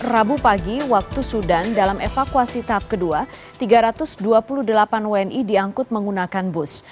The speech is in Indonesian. rabu pagi waktu sudan dalam evakuasi tahap kedua tiga ratus dua puluh delapan wni diangkut menggunakan bus